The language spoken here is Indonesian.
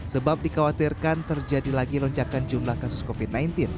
sebab dikhawatirkan terjadi lagi lonjakan jumlah kasus covid sembilan belas